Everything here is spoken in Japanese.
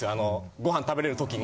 ご飯食べれる時に。